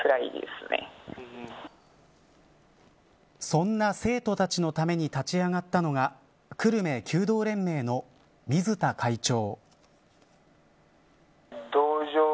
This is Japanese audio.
そんな生徒たちのために立ち上がったのが久留米弓道連盟の水田会長。